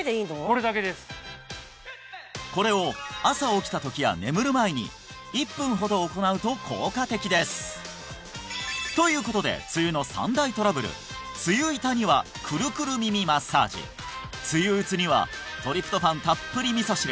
これだけですこれを朝起きた時や眠る前に１分ほど行うと効果的ですということで梅雨の３大トラブル梅雨痛にはくるくる耳マッサージ梅雨うつにはトリプトファンたっぷり味噌汁